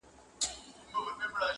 هر څه دروند او بې روحه ښکاري په کور کي،